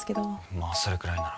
まあそれくらいなら。